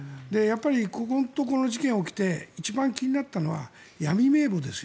ここのところ事件が起きて一番気になったのは闇名簿ですよ。